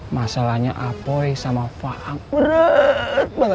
masalahnya apoi sama faang berat banget